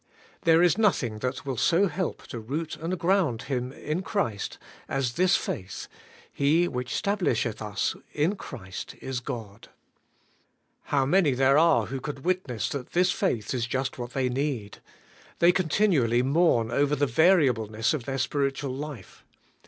There is nothing that will so help to root and ground him in Christ as this faith: *He which stablisheth us in Christ is God.' How many there are who can witness that this faith is just what they need! They continually mourn over the variableness of their spiritual life.